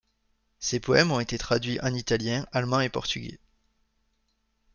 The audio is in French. Ses poèmes ont été traduits en italien, allemand et portugais.